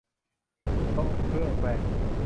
โต๊ะเครื่องแป้ง